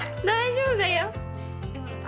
大丈夫だよ。